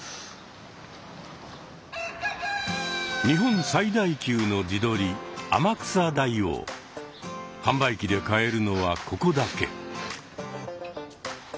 日本最大級の地鶏販売機で買えるのはここだけ。